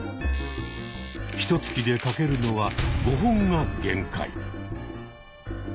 ひとつきで書けるのは５本が限界。